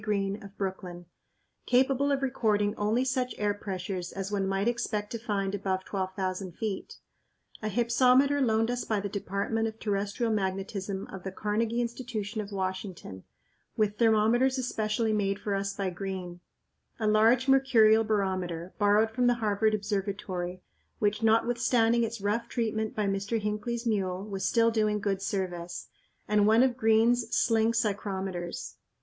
Green, of Brooklyn, capable of recording only such air pressures as one might expect to find above 12,000 feet; a hypsometer loaned us by the Department of Terrestrial Magnetism of the Carnegie Institution of Washington, with thermometers especially made for us by Green; a large mercurial barometer, borrowed from the Harvard Observatory, which, notwithstanding its rough treatment by Mr. Hinckley's mule, was still doing good service; and one of Green's sling psychrometers.